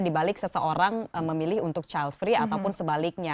di balik seseorang memilih untuk child free ataupun sebaliknya